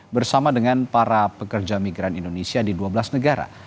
bersama dengan para pekerja migran indonesia di dua belas negara